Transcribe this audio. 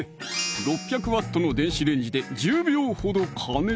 ６００Ｗの電子レンジで１０秒ほど加熱！